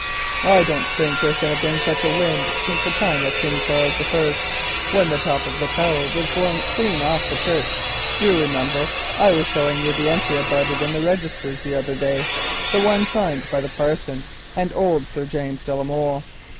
I don't think there can have been such a wind since the time of King Charles I., when the top of the tower was blown right off the church. You remember I was showing you the entry about it in the registers the other day, the one signed by the parson and old Sir James de la Molle.